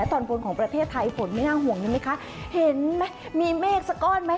ตอนบนของประเทศไทยฝนไม่น่าห่วงใช่ไหมคะเห็นไหมมีเมฆสักก้อนไหม